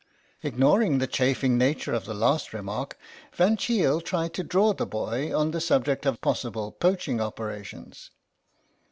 Ignoring the chaffing nature of the last remark Van Cheele tried to draw the boy on the subject of possible poaching operations.